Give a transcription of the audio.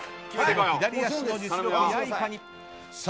左足の実力はいかに。